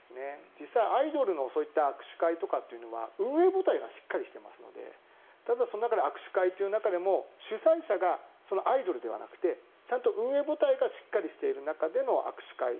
実際、アイドルの握手会というのは運営母体がしっかりしていますのでその中から握手会という中でも主催者がそのアイドルではなく運営母体がしっかりしている中での握手会。